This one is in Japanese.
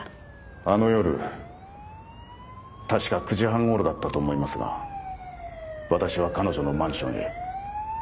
あの夜確か９時半頃だったと思いますが私は彼女のマンションへ。